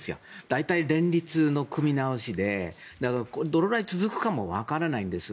大体連立の組みなおしでどれくらい続くかもわからないんです。